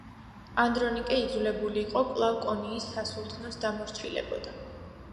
ანდრონიკე იძულებული იყო კვლავ კონიის სასულთნოს დამორჩილებოდა.